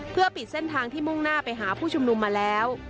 เพื่อปิดเส้นทางที่มุ่งหน้าไปหาผู้ชุมนุมมาแล้ว